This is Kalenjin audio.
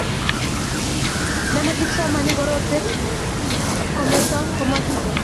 namei kipsomaninik korotwek otkemeto komakinat